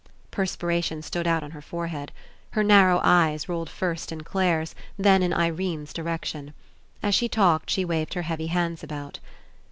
Perspiration stood out on her forehead. Her narrow eyes rolled first in Clare's, then in Irene's direction. As she talked she waved her heavy hands about.